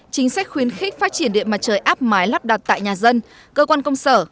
chính sách khuyến khích phát triển điện mặt trời áp mái lắp đặt tại nhà dân cơ quan công sở